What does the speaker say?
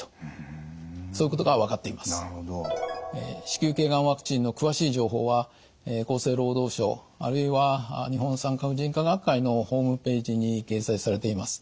子宮頸がんワクチンの詳しい情報は厚生労働省あるいは日本産科婦人科学会のホームページに掲載されています。